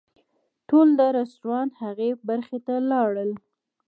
ټول د رسټورانټ هغې برخې ته لاړل.